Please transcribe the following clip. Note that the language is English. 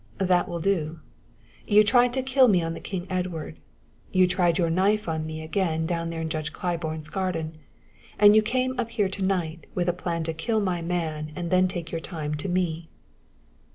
"That will do. You tried to kill me on the King Edward; you tried your knife on me again down there in Judge Claiborne's garden; and you came up here tonight with a plan to kill my man and then take your time to me.